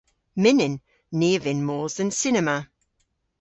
Mynnyn. Ni a vynn mos dhe'n cinema.